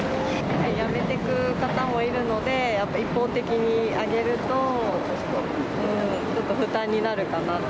やめていく方もいるので、やっぱり一方的にあげると、ちょっと負担になるかなと。